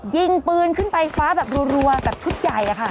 ยิงปืนขึ้นฟ้าแบบรัวแบบชุดใหญ่อะค่ะ